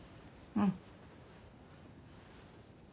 うん。